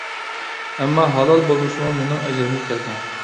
ئەمما ھالال بولمىسىمۇ، مېنىڭ ئەجرىمگە كەلگەن.